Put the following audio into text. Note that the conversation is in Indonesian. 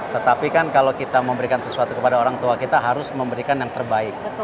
tetapi kan kalau kita memberikan sesuatu kepada orang tua kita harus memberikan yang terbaik